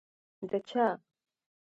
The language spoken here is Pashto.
د چا؟